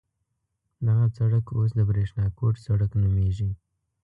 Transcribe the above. دغه سړک اوس د برېښنا کوټ سړک نومېږي.